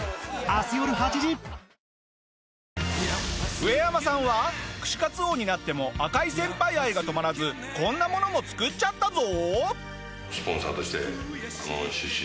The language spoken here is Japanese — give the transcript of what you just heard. ウエヤマさんは串かつ王になっても赤井先輩愛が止まらずこんなものも作っちゃったぞ。